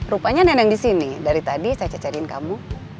rupanya neneng di sini dari tadi saya cecerin kamu